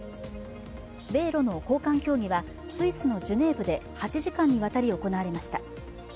米ロの高官協議はスイスのジュネーブで８時間にわたり行われました。